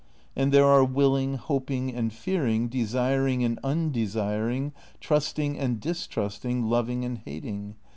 And there are willing, hoping and fearing, desiring and unde siring, trusting and distrusting, loving and hating.